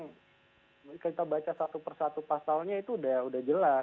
kalau kita baca satu persatu pasalnya itu sudah jelas